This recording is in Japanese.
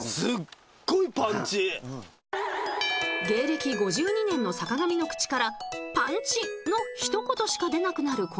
芸歴５２年の坂上の口からパンチのひと言しか出なくなる